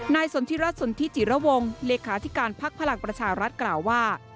สนทิรัฐสนทิจิระวงเลขาธิการพักพลังประชารัฐกล่าวว่า